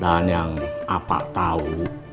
dan yang apa tau